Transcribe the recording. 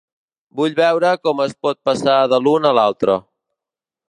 Vull veure com es pot passar de l'un a l'altre.